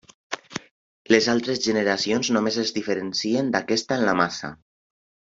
Les altres generacions només es diferencien d'aquesta en la massa.